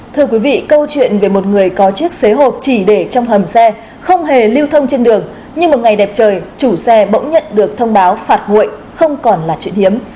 thưa quý vị câu chuyện về một người có chiếc xế hộp chỉ để trong hầm xe không hề lưu thông trên đường nhưng một ngày đẹp trời chủ xe bỗng nhận được thông báo phạt nguội không còn là chuyện hiếm